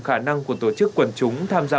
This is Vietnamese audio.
khả năng của tổ chức quần chúng tham gia